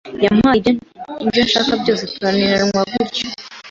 yampaye ibyo nshaka byose tunaniranwa gutyo”